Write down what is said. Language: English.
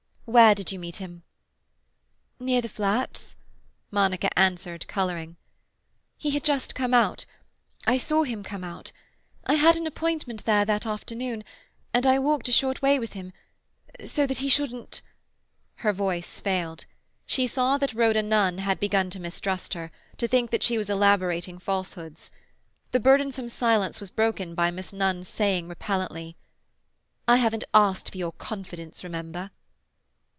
"Where did you meet him?" "Near the flats," Monica answered, colouring. "He had just come out—I saw him come out. I had an appointment there that afternoon, and I walked a short way with him, so that he shouldn't—" Her voice failed. She saw that Rhoda had begun to mistrust her, to think that she was elaborating falsehoods. The burdensome silence was broken by Miss Nunn's saying repellently,— "I haven't asked for your confidence, remember."